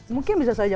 mungkin bisa saja